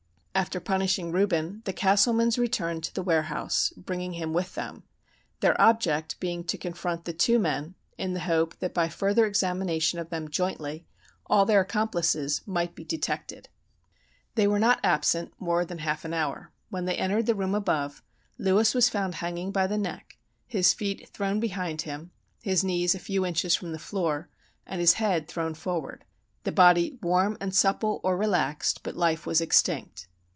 "After punishing Reuben, the Castlemans returned to the warehouse, bringing him with them; their object being to confront the two men, in the hope that by further examination of them jointly all their accomplices might be detected. "They were not absent more than half an hour. When they entered the room above, Lewis was found hanging by the neck, his feet thrown behind him, his knees a few inches from the floor, and his head thrown forward—the body warm and supple (or relaxed), but life was extinct.